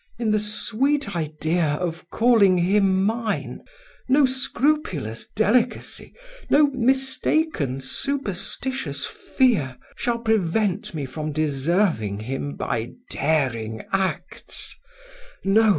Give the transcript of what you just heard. In the sweet idea of calling him mine, no scrupulous delicacy, no mistaken superstitious fear, shall prevent me from deserving him by daring acts No!